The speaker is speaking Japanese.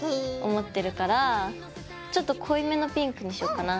思ってるからちょっと濃いめのピンクにしようかな。